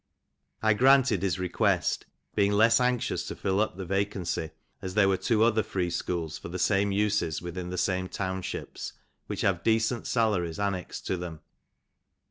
I granted his request, being less anxious to fill up the vacancy, as there were two other free schools for the same uses within the same townships, which have decent salaries annexed to them.